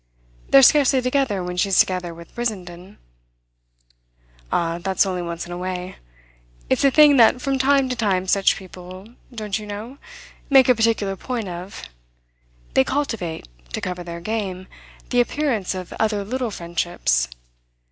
"They're scarcely together when she's together with Brissenden." "Ah, that's only once in a way. It's a thing that from time to time such people don't you know? make a particular point of: they cultivate, to cover their game, the appearance of other little friendships.